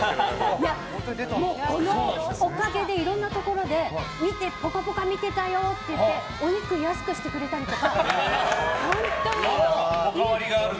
このおかげでいろんなところで「ぽかぽか」見てたよってお肉安くしてくれたりとか。